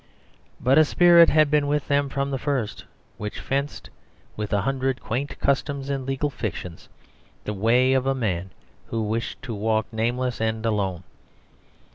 But a spirit had been with them from the first which fenced, with a hundred quaint customs and legal fictions, the way of a man who wished to walk nameless and alone.